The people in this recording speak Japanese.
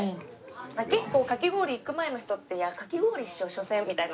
結構かき氷行く前の人って「いやかき氷でしょしょせん」みたいな。